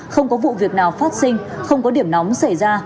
không có vụ việc nào phát sinh không có điểm nóng xảy ra